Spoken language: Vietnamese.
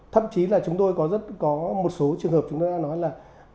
thậm chí là chúng tôi có rất có một số trường hợp chúng ta nói là